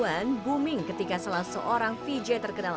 dua ribu an booming ketika salah seorang vj terkenal